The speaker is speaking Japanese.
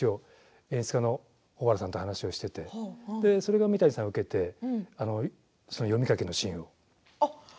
演出家の大畑さんと話をしていてそれを三谷さんが受けて読み書きのシーンも。